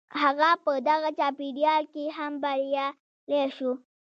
هغه په دغه چاپېريال کې هم بريالی شو.